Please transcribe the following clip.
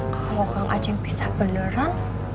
kalo kang aceh pisah beneran